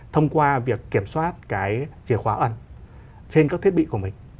thông qua việc kiểm soát cái chìa khóa ẩn trên các thiết bị của mình